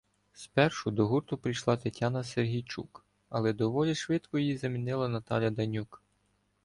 Спершу до гурту прийшла Тетяна Сергійчук, але доволі швидко її замінила Наталя Данюк.